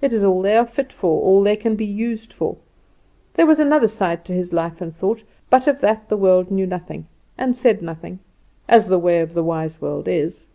It is all they are fit for, all they can be used for. There was another side to his life and thought; but of that the world knew nothing, and said nothing, as the way of the wise world is.